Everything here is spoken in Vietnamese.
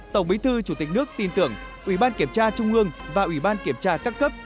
tổng bí thư chủ tịch nước tin tưởng ủy ban kiểm tra trung ương và ủy ban kiểm tra các cấp